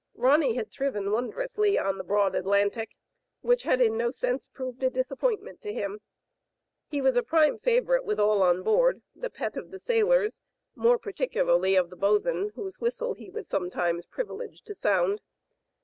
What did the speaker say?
Ronny had thriven wondrously on the broad Atlantic, which had in no sense proved a disap pointment to him. He was a prime favorite with all on board, the pet of the sailors, more particularly of the bos'n, whose whistle he was sometimes privileged to sound.